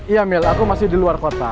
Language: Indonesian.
iya mil aku masih di luar kota